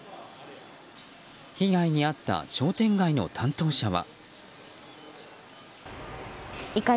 被害に遭った商店街の担当者は。